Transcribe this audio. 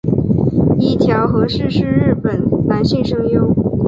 一条和矢是日本男性声优。